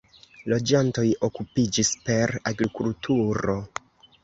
Loĝantoj okupiĝis per agrikulturo.